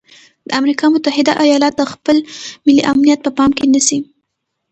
د امریکا متحده ایالات د خپل ملي امنیت په پام کې نیسي.